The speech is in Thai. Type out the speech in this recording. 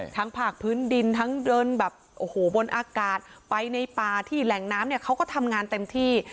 ทั้งผากพื้นดินทังลนบนอากาศไปในปลาที่แหล่งน้ำเขาก็ทำงานเต็มที่